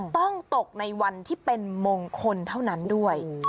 ต้องตกในวันที่เป็นมงคลเท่านั้นด้วย